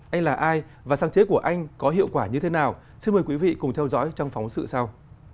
anh là ai và sáng chế của anh có hiệu quả như thế nào xin mời quý vị cùng theo dõi trong phóng sự sau